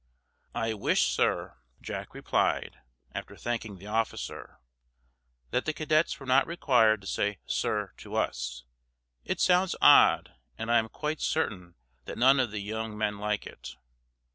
"I wish, sir," Jack replied, after thanking the officer, "that the cadets were not required to say 'sir' to us. It sounds odd, and I am quite certain that none of the young men like it."